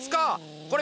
これ